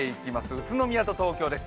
宇都宮と東京です。